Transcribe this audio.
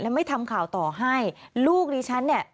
แล้วไม่ทำข่าวต่อให้ลูกดิฉันเนี่ย